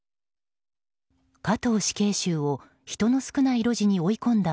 加藤死刑囚を人の少ない路地に追い込んだ